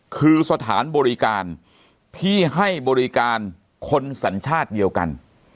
คือสถานบริการที่ให้บริการคนสัญชาติเดียวกัน